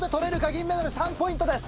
銀メダル３ポイントです。